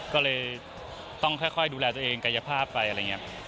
ก็เลยต้องค่อยดูแลตัวเองกายภาพไปอะไรอย่างนี้